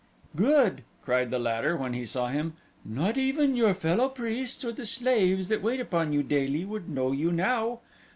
"Good!" cried the latter, when he saw him. "Not even your fellow priests or the slaves that wait upon you daily would know you now.